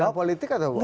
goregan politik atau